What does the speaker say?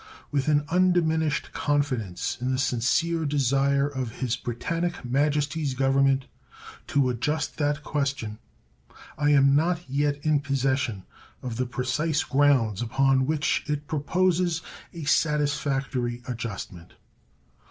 With an undiminished confidence in the sincere desire of His Britannic Majesty's Government to adjust that question, I am not yet in possession of the precise grounds upon which it proposes a satisfactory adjustment.